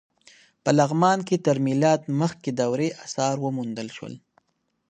په لغمان کې تر میلاد مخکې دورې اثار وموندل شول.